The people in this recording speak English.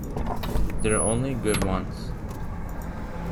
They're only good once!